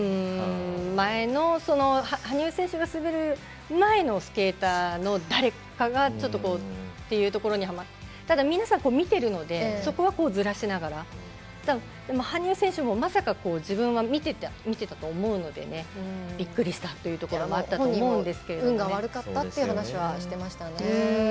前の羽生選手が滑る前のスケーターの誰かがちょっとというところにただ皆さん見ているのでそこはずらしながら羽生選手もまさか自分が見ていたと思うのでびっくりしたというところも本人も運が悪かったという話はしてましたよね。